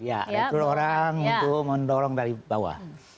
ya rekrut orang untuk mendorong dari bawah